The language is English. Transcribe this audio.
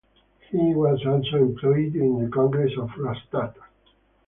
He was also employed in the congress of Rastatt.